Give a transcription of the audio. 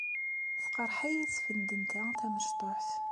Tqerreḥ-iyi tfendent-a tamecṭuḥt.